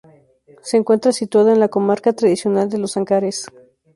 Se encuentra situado en la comarca tradicional de los Ancares.